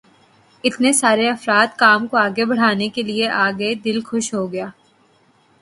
اتنے سارے افراد کام کو آگے بڑھانے کے لیے آ گئے، دل خوش ہو گیا۔